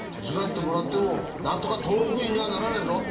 手伝ってもらってもなんとか登録医にはならないぞ。